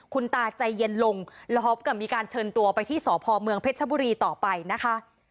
คุณตาใจเย็นลงแล้วฮอฟกับมีการเชิญตัวไปที่สพเมืองเพชรชบุรีต่อไปนะคะ